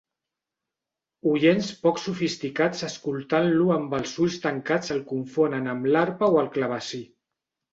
Oients poc sofisticats escoltant-lo amb els ulls tancats el confonen amb l'arpa o el clavecí.